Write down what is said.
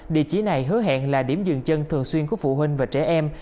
địa chỉ này hứa hẹn là điểm dừng chân thường xuyên của phụ huynh và trẻ em